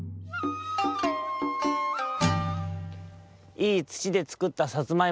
いいつちでつくったさつまいも。